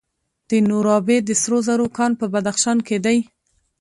د نورابې د سرو زرو کان په بدخشان کې دی.